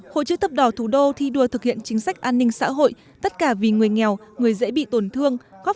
hộ chữ thập đỏ thủ đô thi đua thực hiện chính sách an ninh xã hội tất cả vì người nghèo người dễ bị tổn thương